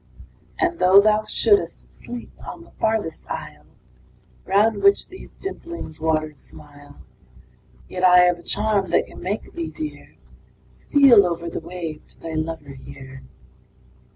III. And though thou shouldst sleep on the farthest isle, Round which these dimpling waters smile Yet I have a charm that can make thee, dear, Steal over the wave to thy lover here.